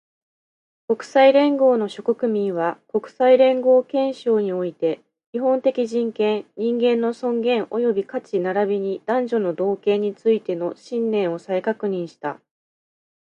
国際連合の諸国民は、国際連合憲章において、基本的人権、人間の尊厳及び価値並びに男女の同権についての信念を再確認した